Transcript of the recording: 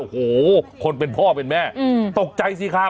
โอ้โหคนเป็นพ่อเป็นแม่ตกใจสิครับ